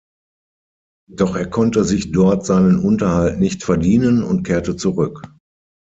Doch er konnte sich dort seinen Unterhalt nicht verdienen und kehrte zurück.